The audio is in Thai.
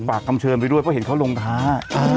คำเชิญไปด้วยเพราะเห็นเขาลงท้า